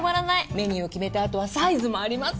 メニューを決めたあとはサイズもあります。